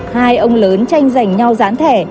hai ông lớn tranh giành nhau dán thẻ